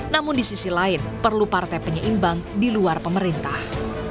namun di sisi lain perlu partai penyeimbang di luar pemerintah